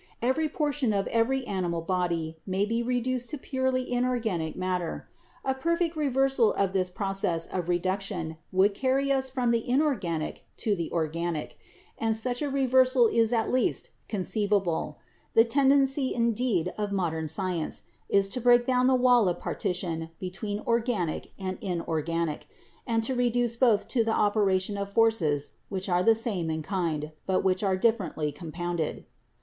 Every portion of every animal body may be reduced to purely inorganic matter. A perfect reversal of this process of reduction would carry us from the inorganic to the organic ; and such a reversal is at least conceivable. The tendency, indeed, of modern science is to break down the wall of partition between organic and inorganic, and to reduce both to the operation of forces which are the same in kind, but which are differently compounded.